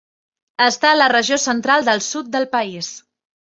Està a la regió central del sud del país.